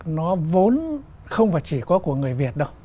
nó vốn không phải chỉ có của người việt đâu